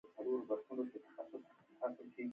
ما خپل بشپړ معرفت او تېښتې کيسه ټکی په ټکی ورته وکړه.